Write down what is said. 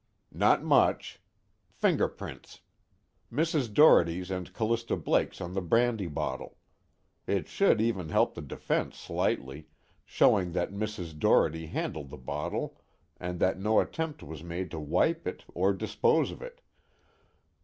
"Not much. Fingerprints. Mrs. Doherty's and Callista Blake's on the brandy bottle. It should even help the defense slightly, showing that Mrs. Doherty handled the bottle and that no attempt was made to wipe it or dispose of it.